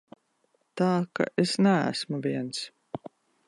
Tā ka es neesmu viens.